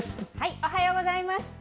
おはようございます。